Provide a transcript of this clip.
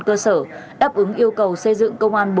cơ sở đáp ứng yêu cầu xây dựng công an bộ